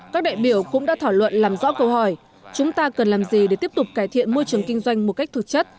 các đại biểu cũng đã thảo luận làm rõ câu hỏi chúng ta cần làm gì để tiếp tục cải thiện môi trường kinh doanh một cách thực chất